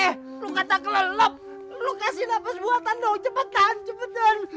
eh lu kata kelelop lo kasih nafas buatan dong cepetan cepetan